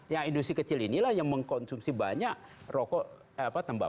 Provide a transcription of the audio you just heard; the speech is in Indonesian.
yang industri kecil inilah yang mengkonsumsi banyak rokok tembakau